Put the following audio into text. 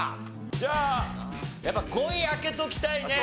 じゃあやっぱ５位開けときたいね。